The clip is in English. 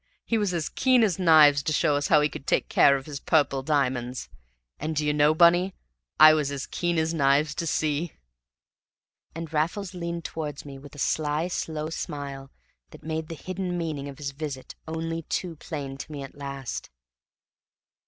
He was as keen as knives to show us how he could take care of his purple diamonds; and, do you know, Bunny, I was as keen as knives to see." And Raffles leaned towards me with a sly, slow smile that made the hidden meaning of his visit only too plain to me at last.